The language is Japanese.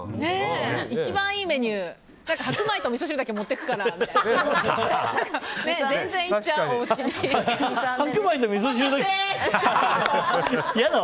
一番いいメニュー白米とみそ汁だけ持ってくからみたいな。